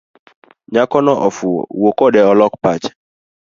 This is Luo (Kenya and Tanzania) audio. Nyakono ofuwo wuokode olok pache.